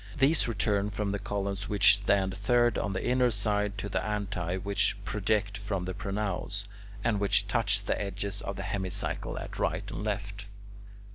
These return from the columns which stand third on the inner side to the antae which project from the pronaos, and which touch the edges of the hemicycle at right and left.